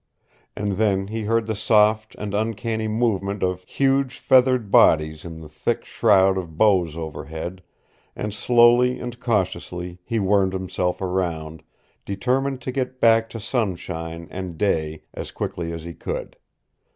And then he heard the soft and uncanny movement of huge feathered bodies in the thick shroud of boughs overhead, and slowly and cautiously he wormed himself around, determined to get back to sunshine and day as quickly as he could.